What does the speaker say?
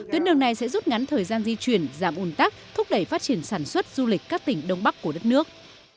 tuyến đường này sẽ rút ngắn thời gian di chuyển giảm ồn tắc thúc đẩy phát triển sản xuất du lịch các tỉnh đông bắc của đất nước